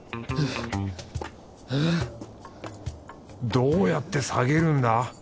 どうやって下げるんだ？